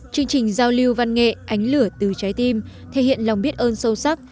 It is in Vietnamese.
chương trình giao lưu văn nghệ ánh lửa từ trái tim thể hiện lòng biết ơn sâu sắc